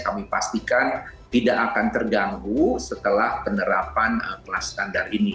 kami pastikan tidak akan terganggu setelah penerapan kelas standar ini